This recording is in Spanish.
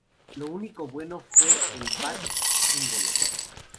Lo único bueno fue el bat-símbolo.